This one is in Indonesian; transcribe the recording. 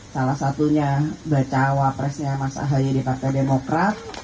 salah satunya bakal cawapresnya mas ahy di partai demokrat